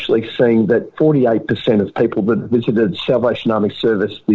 kita melihat bahwa empat puluh delapan orang yang melawat servis salvation army tahun ini